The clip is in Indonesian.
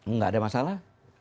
nggak ada masalah